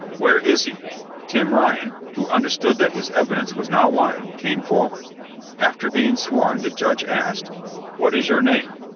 "Where is he?" Tim Ryan, who understood that his evidence was now wanted, came forward. After being sworn, the judge asked, "What is your name?"